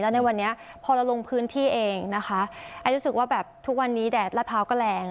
ในวันนี้พอเราลงพื้นที่เองนะคะไอ้รู้สึกว่าแบบทุกวันนี้แดดลาดพร้าวก็แรง